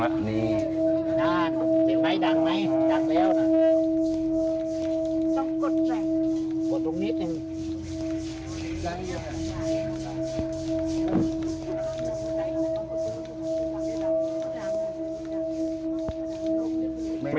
โอ้ยเจ้ารูปยังดังเลย